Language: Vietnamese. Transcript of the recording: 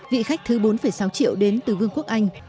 vị khách thứ bốn sáu triệu đến từ vương quốc anh